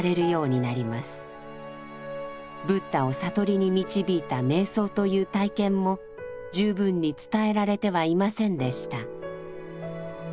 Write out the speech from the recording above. ブッダを悟りに導いた瞑想という体験も十分に伝えられてはいませんでした。